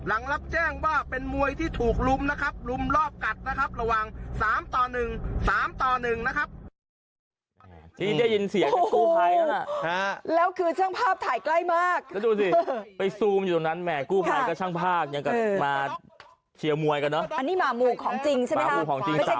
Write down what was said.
อันนี้หมาหมูของจริงใช่ไหมครับไม่ใช่คำเกียรติเลยว่าเป็นพวกกลุ่มอัลทภารแล้วไปรุมทำร้ายรุมรันแก่คนที่ไม่มีทางสู้นะ